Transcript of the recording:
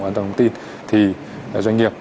của an toàn thông tin thì doanh nghiệp